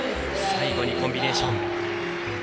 最後にコンビネーション。